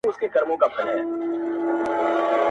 • قاسم یاره ته په رنګ د زمانې سه,